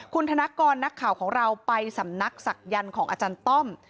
คุณธนกรนักข่าวของเราไปสำนักศักยันต์ของอาจารย์ต้อม